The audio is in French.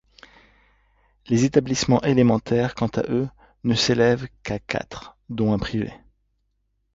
Les établissements élémentaires quant à eux ne s'élèvent qu'à quatre dont un privé.